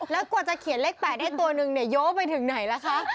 แล้วกว่าจะเขียนเลข๘ในตัวหนึ่งโยบไปถึงไหนละคะ